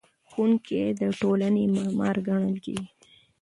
ښوونکی د ټولنې معمار ګڼل کېږي.